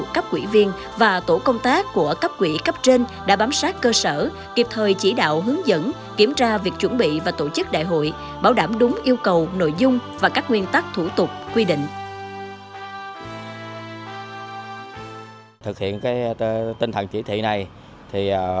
các cấp quỹ cấp trên đã bám sát cơ sở kịp thời chỉ đạo hướng dẫn kiểm tra việc chuẩn bị và tổ chức đại hội bảo đảm đúng yêu cầu nội dung và các nguyên tắc thủ tục quy định